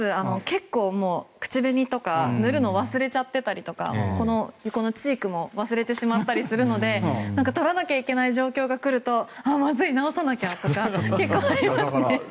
結構、口紅とか塗るのを忘れちゃってたりとか横のチークも忘れてしまったりするので取らなきゃいけない状況がくるとまずい、直さなきゃとか結構ありますね。